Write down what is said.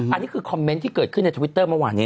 อันนี้คือคอมเมนต์ที่เกิดขึ้นในทวิตเตอร์เมื่อวานนี้